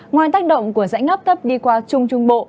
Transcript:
ngoài tác động của rãnh ngắp thấp đi qua trung trung bộ